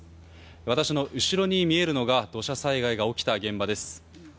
私の後ろに見えるのが土砂災害が起きた現場です。